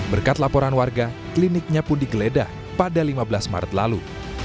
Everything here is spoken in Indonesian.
berkat laporan warga kliniknya pun digeledah pada lima belas maret lalu